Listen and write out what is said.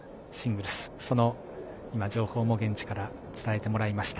その情報も現地から伝えてもらいました。